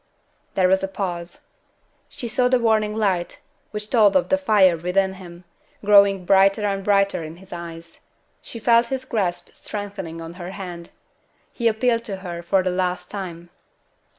There was a pause. She saw the warning light which told of the fire within him, growing brighter and brighter in his eyes. She felt his grasp strengthening on her hand. He appealed to her for the last time.